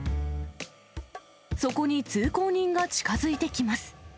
そこに通行人が近づいてきます。